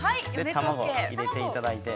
◆卵を入れていただいて。